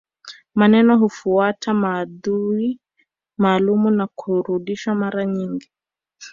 Maneno hufuata maudhui maalumu na hurudiwa mara nyingi